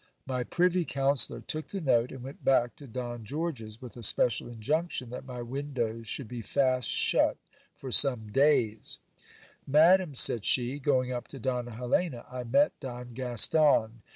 My privy counsellor took the note, and went back to Don George's, with a special injunction that my windows should be fast shut for some days. Madam, said she, going up to Donna Helena, I met Don Gaston.